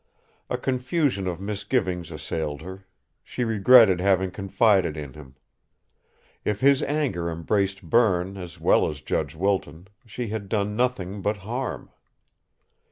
A confusion of misgivings assailed her she regretted having confided in him. If his anger embraced Berne as well as Judge Wilton, she had done nothing but harm!